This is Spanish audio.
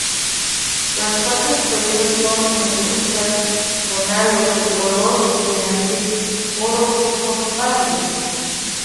Las partes superiores son negruzcas con halos de color de ante o rojizo pálido.